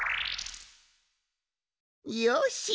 よし！